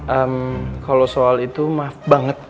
ehm kalau soal itu maaf banget